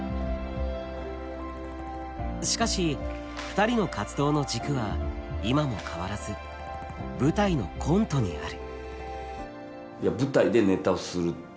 しかし２人の活動の軸は今も変わらず舞台のコントにある。